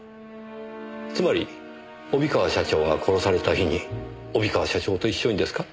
つまり帯川社長が殺された日に帯川社長と一緒にですか？